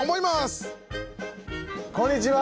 こんにちは！